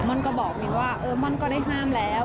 ่อนก็บอกมินว่าเออม่อนก็ได้ห้ามแล้ว